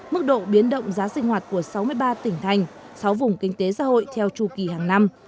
mức độ biến động giá sinh hoạt của sáu mươi ba tỉnh thành sáu vùng kinh tế xã hội theo chu kỳ hàng năm